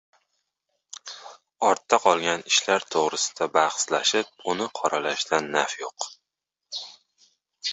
— Ortda qolgan ishlar to‘g‘risida bahslashib, uni qoralashdan naf yo‘q.